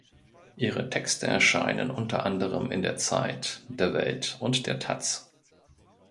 Ihre Texte erschienen unter anderem in der "Zeit," der "Welt" und der "taz.